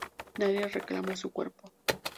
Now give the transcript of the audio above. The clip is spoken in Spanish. Nadie reclamó su cuerpo.